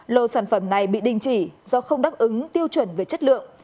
lô sản phẩm này bị đình chỉ do không đáp ứng tiêu chuẩn về chất lượng